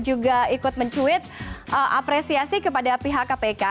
juga ikut mencuit apresiasi kepada pihak kpk